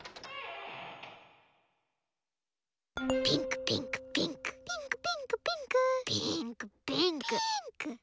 ピンクピンクピンク。